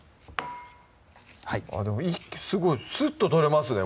はいあっでもすごいスッと取れますね